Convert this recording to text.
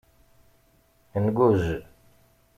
Ngujj.